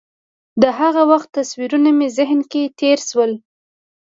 د هغه وخت تصویرونه مې ذهن کې تېر شول.